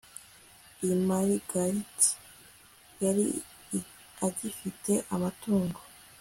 i marigat, yari agifite amatungo